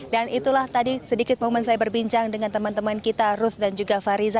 dan itulah tadi sedikit momen saya berbincang dengan teman teman kita ruth dan juga fariza